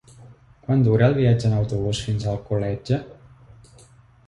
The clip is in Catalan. Quant dura el viatge en autobús fins a Alcoletge?